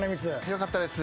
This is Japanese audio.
よかったです。